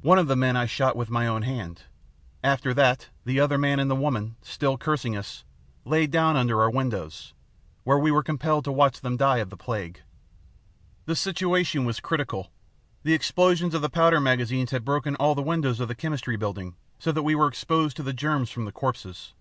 One of the men I shot with my own hand. After that the other man and the woman, still cursing us, lay down under our windows, where we were compelled to watch them die of the plague. "The situation was critical. The explosions of the powder magazines had broken all the windows of the Chemistry Building, so that we were exposed to the germs from the corpses.